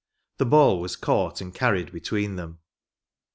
The ball was caught and carried between them.